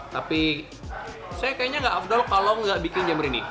tapi saya kayaknya gak afdal kalau gak bikin jamur ini